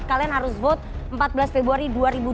kalian harus vote empat belas februari